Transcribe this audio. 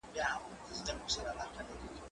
زه هره ورځ کتابونه لوستل کوم!.